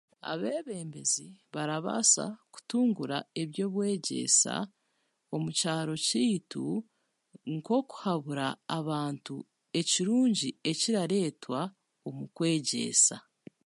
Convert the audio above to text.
Abebembezi barabaasa kutungura eby'obwegyeesa omukyaro kyeitu nk'okuhabura abantu ekirungi ekiraretwa omukwegyeesa.